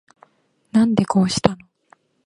なんでこうしたの